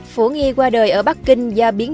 phổ nghi qua đời ở bắc kinh do biến đổi